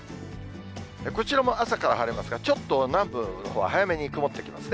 こちらも朝から晴れますが、ちょっと南部のほうは早めに曇ってきますね。